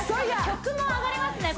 曲も上がりますね